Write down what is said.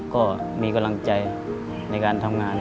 ก็มีกำลังใจในการทำงาน